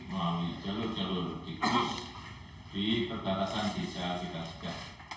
melalui jalur jalur dikurs di perbatasan jisa kita juga